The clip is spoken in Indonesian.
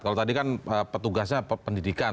kalau tadi kan petugasnya pendidikan